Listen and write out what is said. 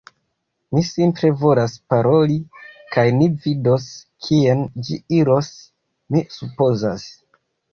Mi simple volas paroli kaj ni vidos kien ĝi iros, mi supozas.